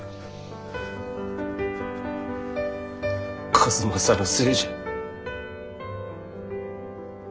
数正のせいじゃ。